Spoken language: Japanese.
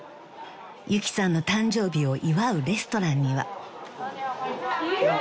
［ゆきさんの誕生日を祝うレストランには］